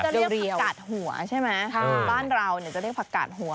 จะเรียกผักกาดหัวใช่ไหมบ้านเราเนี่ยจะเรียกผักกาดหัว